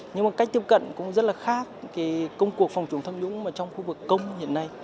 nhưng mà cách tiếp cận cũng rất là khác cái công cuộc phòng chống tham nhũng mà trong khu vực công hiện nay